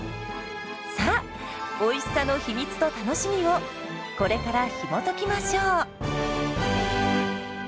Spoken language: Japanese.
さあおいしさの秘密と楽しみをこれからひもときましょう！